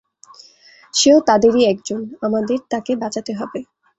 সেও তাদেরই একজন, আমাদের তাকে বাঁচাতে হবে।